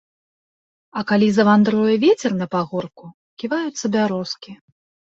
А калі завандруе вецер на пагорку, ківаюцца бярозкі.